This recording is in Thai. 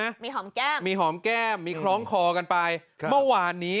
มีหอมแก้มมีหอมแก้มมีคล้องคอกันไป